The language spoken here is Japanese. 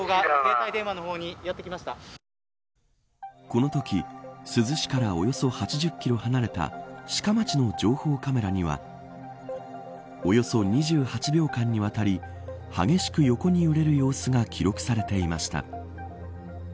このとき珠洲市からおよそ８０キロ離れた志賀町の情報カメラにはおよそ２８秒間にわたり激しく横に揺れる様子が記録されていました。